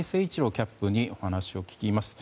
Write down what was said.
キャップにお話を聞きます。